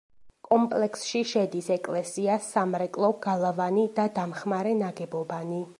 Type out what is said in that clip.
კომპლექსში შედის ეკლესია, სამრეკლო, გალავანი და დამხმარე ნაგებობანი.